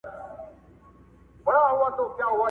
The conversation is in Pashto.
او نور په خپله کوټه ننووت